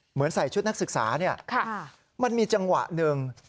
เหมือนใส่ชุดนักศึกษาเนี่ยมันมีจังหวะหนึ่ง